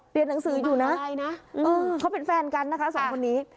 หนังสืออยู่นะเขาเป็นแฟนกันนะคะสองคนนี้